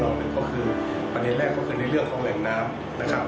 ของเราก็คือประเด็นแรกก็คือในเรื่องแห่งน้ำ